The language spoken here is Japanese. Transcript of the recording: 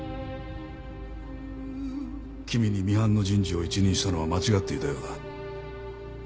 君にミハンの人事を一任したのは間違っていたようだ。